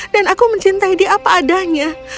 dan aku mencintai dia apa adanya